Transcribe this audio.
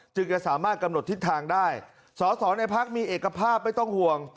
จะสามารถกำหนดทิศทางได้สอสอในพักมีเอกภาพไม่ต้องห่วง